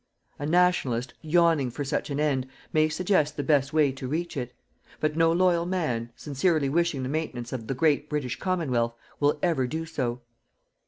A Nationalist, yawning for such an end, may suggest the best way to reach it. But no loyal man, sincerely wishing the maintenance of the great British Commonwealth, will ever do so.